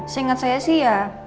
seingat saya sih ya